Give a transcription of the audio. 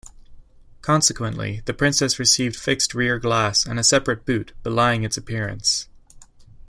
Consequently, the Princess received fixed rear glass and a separate boot, belying its appearance.